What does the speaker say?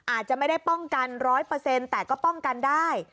อาจจะไม่ได้ป้องกัน๑๐๐แต่ก็ป้องกันได้